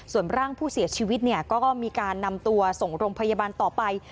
ส่วนร่างผู้เสียชีวิตเนี่ยก็มีการนำตัวส่งโรงพยาบาลต่อไป